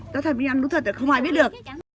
tao thầm đi ăn đúng thật là không ai biết được